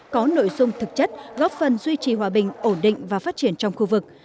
có nội dung thực chất góp phần duy trì hòa bình ổn định và phát triển trong khu vực